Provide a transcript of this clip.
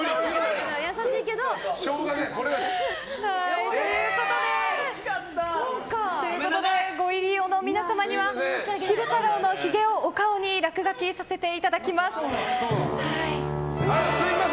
これはしょうがない。ということでご入り用の皆様には昼太郎のひげをお顔に落書きさせていただきます。